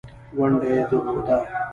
ونډه یې درلوده.